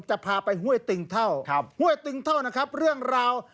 จะพาไปห้วยติงเท่าห้วยติงเท่านะครับเรื่องราว